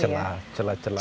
celah celah celah